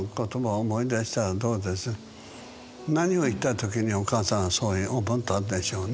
何を言ったときにお母さんはそう思ったんでしょうね。